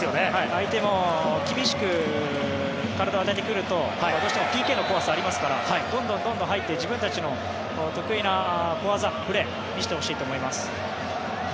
相手も厳しく体を入れてくるとどうしてもＰＫの怖さがありますからどんどん入って自分たちの得意な小技、プレーを見せてほしいと思います。